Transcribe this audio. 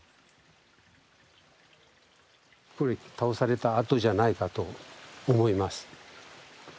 これ倒されたあとじゃないかと思います。